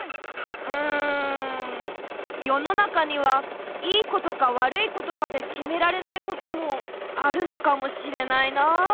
うんよのなかにはいいことかわるいことかできめられないこともあるのかもしれないな。